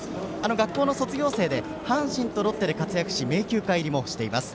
学校の卒業生で阪神とロッテで活躍し名球会入りもしています。